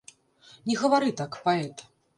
Не гавары так, паэт!